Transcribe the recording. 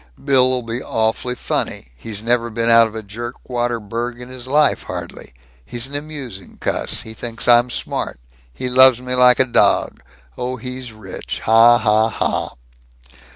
Bill'll be awfully funny. He's never been out of a jerkwater burg in his life, hardly. He's an amusing cuss. He thinks I'm smart! He loves me like a dog. Oh, he's rich! Ha, ha, ha!"